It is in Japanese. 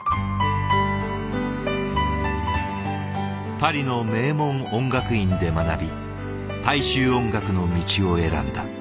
パリの名門音楽院で学び大衆音楽の道を選んだ。